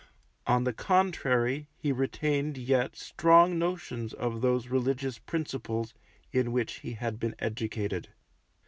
On the contrary, he retained yet strong notions of those religious principles in which he had been educated.